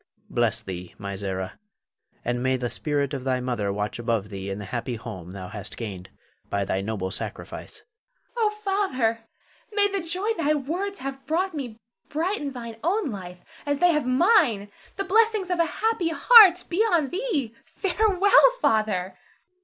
Bless thee, my Zara, and may the spirit of thy mother watch above thee in the happy home thou hast gained by thy noble sacrifice. Zara. Oh, Father, may the joy thy words have brought me brighten thine own life as they have mine. The blessings of a happy heart be on thee. Farewell, Father!